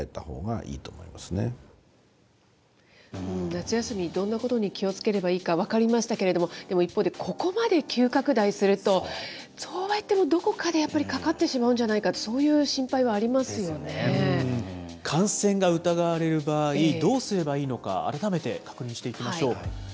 夏休み、どんなことに気をつければいいか分かりましたけれども、でも一方で、ここまで急拡大すると、そうはいってもどこかでやっぱりかかってしまうんじゃないかって、ですよね、感染が疑われる場合、どうすればいいのか、改めて確認していきましょう。